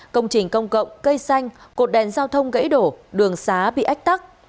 công trình công cộng cây xanh cột đèn giao thông gãy đổ đường xá bị ách tắc